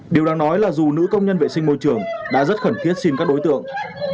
điều đáng nói là dù nữ công nhân vệ sinh môi trường đã rất khẩn thiết xin các đối tượng